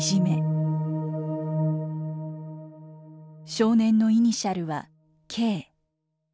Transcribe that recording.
少年のイニシャルは「Ｋ」。